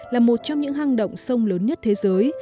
là một trong những hang động sông lớn nhất thế giới